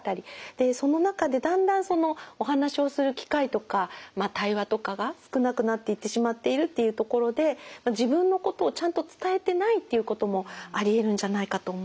その中でだんだんお話をする機会とか対話とかが少なくなっていってしまっているっていうところで自分のことをちゃんと伝えてないっていうこともありえるんじゃないかと思います。